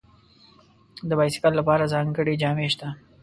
د بایسکل لپاره ځانګړي جامې شته.